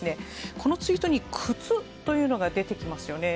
このツイートに靴というのが出てきますよね。